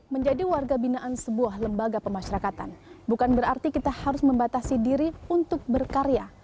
menjadi warga binaan sebuah lembaga pemasyarakatan bukan berarti kita harus membatasi diri untuk berkarya